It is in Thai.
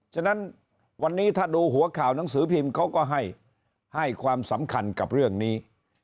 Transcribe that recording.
ฉะนั้นวันนี้ถ้าดูหัวข่าวหนังสือพิมพ์เขาก็ให้ความสำคัญกับเรื่องนี้